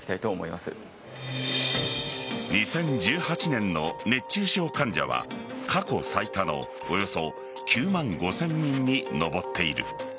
２０１８年の熱中症患者は過去最多のおよそ９万５０００人に上っている。